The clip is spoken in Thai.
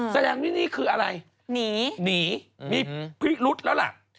แสดงว่านี่คืออะไรหนีหนีมีพิรุษแล้วล่ะ